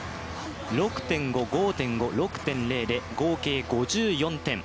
６．５、５．５、６．０で、合計５４点。